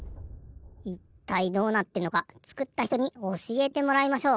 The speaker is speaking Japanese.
いったいどうなってんのか作った人におしえてもらいましょう。